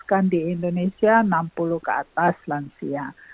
bahkan di indonesia enam puluh ke atas lansia